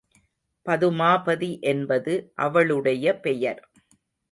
பதுமாபதி என்பது அவளுடைய பெயர்.